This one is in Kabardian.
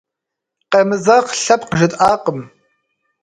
Къемызэгъ лъэпкъ жытӏакъым.